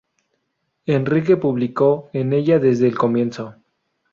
Enrique publicó en ella desde el comienzo.